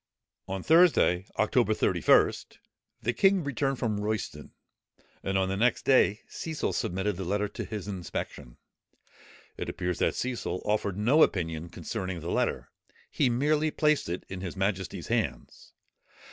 On Thursday, October 31st, the king returned from Royston; and the next day Cecil submitted the letter to his inspection. It appears that Cecil offered no opinion concerning the letter; he merely placed it in his majesty's hands.